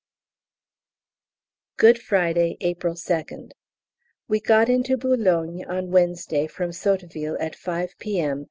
Good Friday, April 2nd. We got into Boulogne on Wednesday from Sotteville at 5 P.M.